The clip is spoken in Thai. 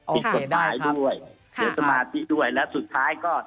โอเคได้ครับด้วยเสียสมาธิด้วยและสุดท้ายก็